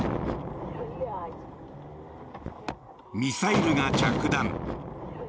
ミサイルが着弾。